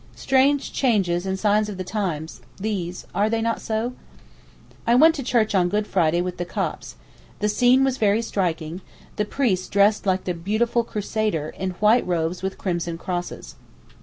Strange changes and signs of the times—these—are they not so? I went to Church on Good Friday with the Copts. The scene was very striking—the priest dressed like a beautiful Crusader in white robes with crimson crosses.